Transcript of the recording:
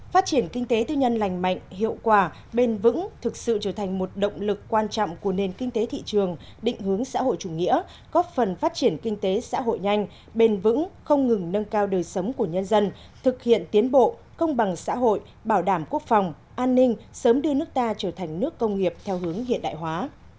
phát triển kinh tế tư nhân lành mạnh hiệu quả bền vững thực sự trở thành một động lực quan trọng của nền kinh tế thị trường định hướng xã hội chủ nghĩa góp phần phát triển kinh tế xã hội nhanh bền vững không ngừng nâng cao đời sống của nhân dân thực hiện tiến bộ công bằng xã hội bảo đảm quốc phòng an ninh sớm đưa nước ta trở thành nước công nghiệp theo hướng hiện đại hóa